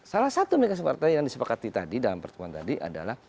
salah satu mekanisme partai yang disepakati tadi dalam pertemuan tadi adalah